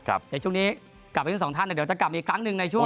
ในช่วงนี้กลับไปทั้งสองท่านเดี๋ยวจะกลับอีกครั้งหนึ่งในช่วง